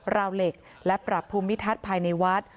ราวเหล็กและปรับภูมิทัศน์ภายในวัด